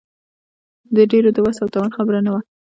د ډېرو د وس او توان خبره نه وه.